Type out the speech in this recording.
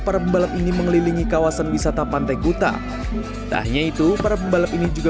para pembalap ini mengelilingi kawasan wisata pantai kuta tak hanya itu para pembalap ini juga